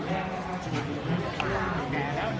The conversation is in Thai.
สวัสดีครับทุกคน